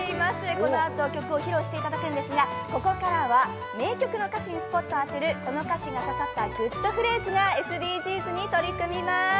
このあと曲を披露していただくんですが、このあとは名曲の歌詞にスポットを当てる「グッとフレーズ！」がＳＤＧｓに取り組みます。